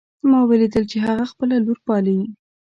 ما ولیدل چې هغه خپله لور پالي